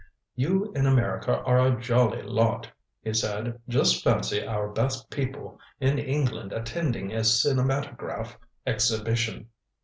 "You in America are a jolly lot," he said. "Just fancy our best people in England attending a cinematograph exhibition."